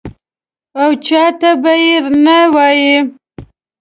او چا ته به یې نه وایې.